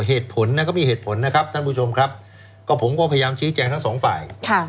เหตุผลนะก็มีเหตุผลนะครับท่านผู้ชมครับก็ผมก็พยายามชี้แจงทั้งสองฝ่าย